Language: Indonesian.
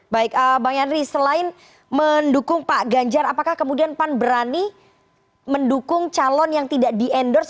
baik bang yandri selain mendukung pak ganjar apakah kemudian pan berani mendukung calon yang tidak di endorse